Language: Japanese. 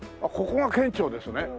あっここが県庁ですね。